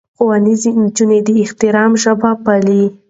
ښوونځی نجونې د احترام ژبه پالي.